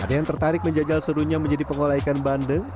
ada yang tertarik menjajal serunya menjadi pengolah ikan bandeng